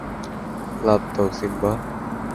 লাফ দাও, সিম্বা!